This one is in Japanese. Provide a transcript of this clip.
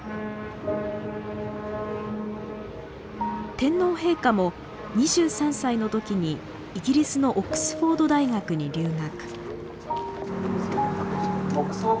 天皇陛下も２３歳のときにイギリスのオックスフォード大学に留学。